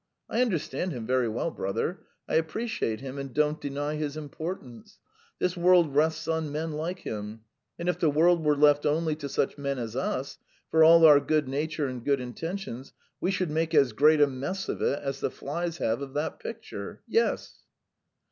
I understand him very well, brother. I appreciate him and don't deny his importance; this world rests on men like him, and if the world were left only to such men as us, for all our good nature and good intentions, we should make as great a mess of it as the flies have of that picture. Yes."